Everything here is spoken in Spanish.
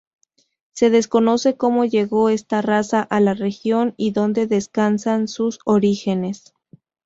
Se desconoce como llegó esta raza a la región y donde descansan sus orígenes.